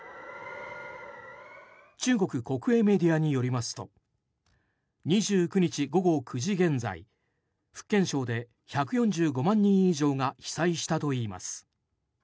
中国国営メディアによりますと２９日午後９時現在福建省で１４５万人以上が被災したといいます。